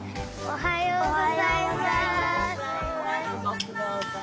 おはようございます。